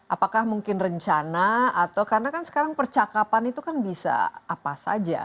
apakah mungkin rencana atau karena kan sekarang percakapan itu kan bisa apa saja